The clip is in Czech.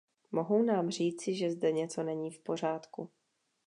Mohou nám říci, že zde něco není v pořádku.